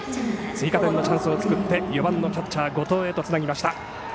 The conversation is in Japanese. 追加点のチャンスを作って４番のキャッチャー、後藤へとつなぎました。